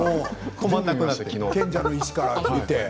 「賢者の石」から見て。